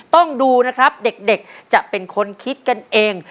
ต้องดูนะครับเด็กจะเป็นคนคิดกันเอง